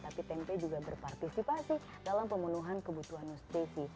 tapi tempe juga berpartisipasi dalam pemenuhan kebutuhan nuspresi